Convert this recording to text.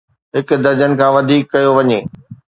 هڪ درجن کان وڌيڪ ڪيو وڃي